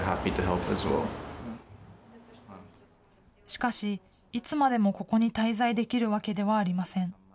しかし、いつまでもここに滞在できるわけではありません。